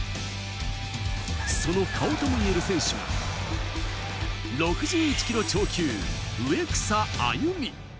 その顔ともいえる選手が６１ｋｇ超級、植草歩。